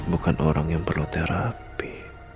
bukan orang yang perlu terapi